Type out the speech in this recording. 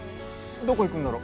どこ行くんだろ？